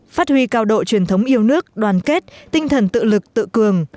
phát huy cao độ truyền thống yêu nước đoàn kết tinh thần tự lực tự cường